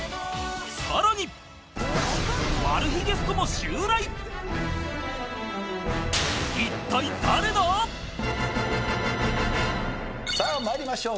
［さらに］さあ参りましょう。